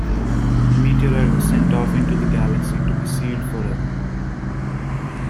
The meteorite was sent off into the galaxy to be sealed forever.